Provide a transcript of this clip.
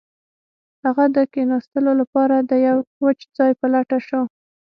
هغه د کښیناستلو لپاره د یو وچ ځای په لټه شو